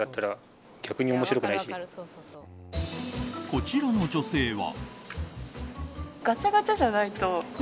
こちらの女性は。